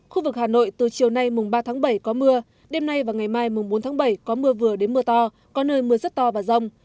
khu vực hà nội từ chiều nay mùng ba tháng bảy có mưa đêm nay và ngày mai mùng bốn tháng bảy có mưa vừa đến mưa to có nơi mưa rất to và rông